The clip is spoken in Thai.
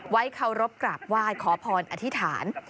เคารพกราบไหว้ขอพรอธิษฐาน